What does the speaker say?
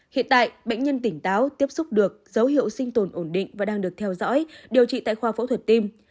hiện tại bệnh nhân tỉnh táo tiếp xúc được dấu hiệu sinh tồn ổn định và đang được theo dõi điều trị tại khoa phẫu thuật tim